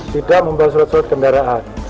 tidak membawa surat surat kendaraan